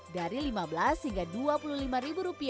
dari rp lima belas hingga rp dua puluh lima